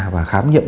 và khám nghiệm